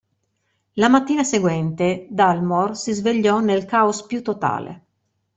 La mattina seguente Dalmor si svegliò nel caos più totale.